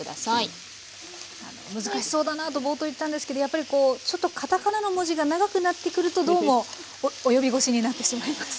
「難しそうだな」と冒頭言ったんですけどやっぱりちょっと片仮名の文字が長くなってくるとどうも及び腰になってしまいます。